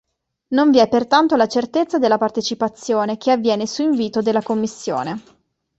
Non vi è pertanto la certezza della partecipazione che avviene su invito della commissione.